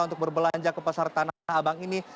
untuk berbelanja ke pasar tanah abang ini